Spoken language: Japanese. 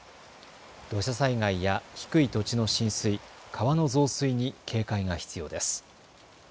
土砂災害や低い土地の浸水、川の増水に警戒が必要です。